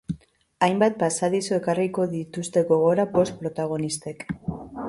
Hainbat pasadizo ekarriko dituzte gogora bost protagonistek.